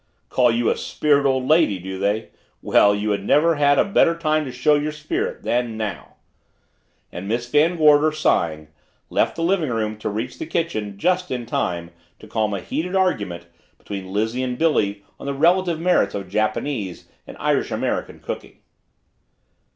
"Call you a spirited old lady, do they? Well, you never had a better time to show your spirit than now!" And Miss Van Gorder, sighing, left the living room to reach the kitchen just in time to calm a heated argument between Lizzie and Billy on the relative merits of Japanese and Irish American cooking.